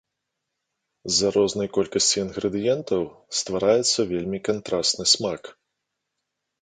З-за рознай колькасці інгрэдыентаў ствараецца вельмі кантрасны смак.